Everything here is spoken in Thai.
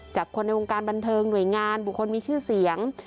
จากคนในวงการบันเทิงหน่วยงานบุคคลมีชื่อเสียง